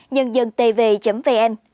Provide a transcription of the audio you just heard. nhân dân tv vn